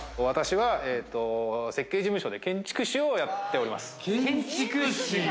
私は設計事務所で建築士をやっております。